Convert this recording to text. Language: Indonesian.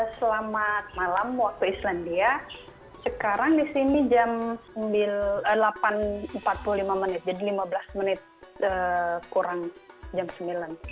selamat malam waktu islandia sekarang di sini jam delapan empat puluh lima menit jadi lima belas menit kurang jam sembilan